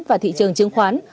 và thị trường chứng khoán